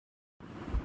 کبھی نارمل نہیں ہونا۔